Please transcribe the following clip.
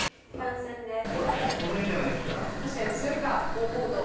やっぱこの画じゃないですか。